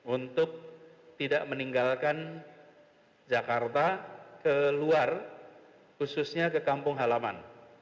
untuk tidak meninggalkan jakarta ke luar khususnya ke kampung halaman